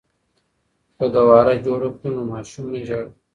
که ګهواره جوړه کړو نو ماشوم نه ژاړي.